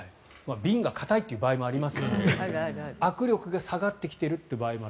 瓶が硬いという場合もありますし握力が下がってきているという場合もある。